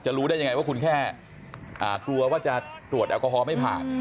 รู้ได้ยังไงว่าคุณแค่กลัวว่าจะตรวจแอลกอฮอล์ไม่ผ่าน